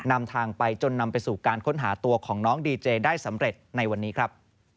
นำทางไปจนนำไปสู่การค้นหาตัวของน้องดีเจได้สำเร็จในวันนี้ครับ